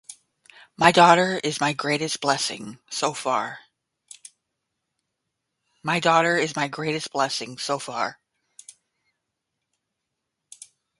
My daughter is my greatest blessing, so far.